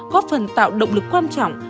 có phần tạo động lực quan trọng